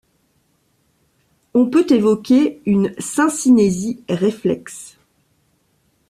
On peut évoquer une syncinésie réflexe.